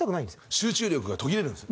集中力が途切れるんですね。